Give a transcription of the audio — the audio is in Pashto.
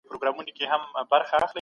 پرمختګ په بشري ټولنو کي طبيعي دی.